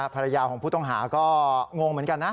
ภรรยาของผู้ต้องหาก็งงเหมือนกันนะ